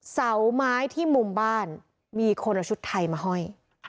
เสาไม้ที่มุมบ้านมีคนเอาชุดไทยมาห้อย